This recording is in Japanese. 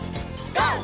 ＧＯ！